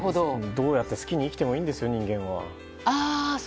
どうやって好きに生きてもいいんですよ、人間は。